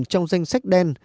trong danh sách đen